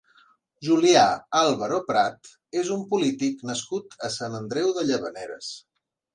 Julià Álvaro Prat és un polític nascut a Sant Andreu de Llavaneres.